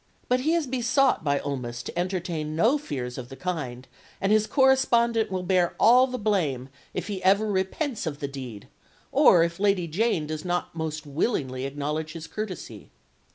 But he is besought by Ulmis to entertain no fears of the kind, and his correspondent will bear all the blame if he ever repents of the deed, or if Lady Jane does not most willingly acknowledge his courtesy.